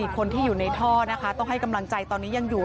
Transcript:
คนที่อยู่ในท่อนะคะต้องให้กำลังใจตอนนี้ยังอยู่